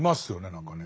何かね。